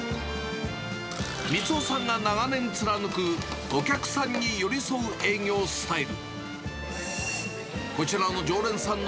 三夫さんが長年貫くお客さんに寄り添う営業スタイル。